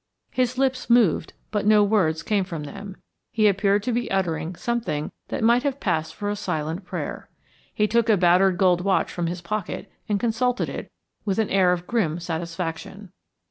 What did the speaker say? His lips moved, but no words came from them. He appeared to be uttering something that might have passed for a silent prayer. He took a battered gold watch from his pocket and consulted it with an air of grim satisfaction.